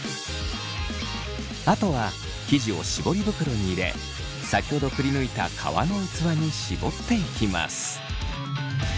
あとは生地を絞り袋に入れ先ほどくりぬいた皮の器に絞っていきます。